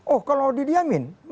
oh kalau didiamin